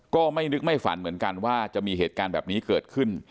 ก็ไม่นึกไม่ฝันเหมือนกันว่าจะมีเหตุการณ์แบบนี้เกิดขึ้น